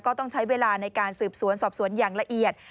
ก็ต้องใช้เวลาในการสืบสวนสอบสวนอย่างละเอียด